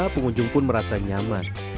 pengunjung pun merasa nyaman